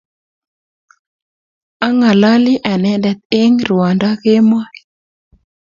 Ang'alali anende eng' ruondo kemoi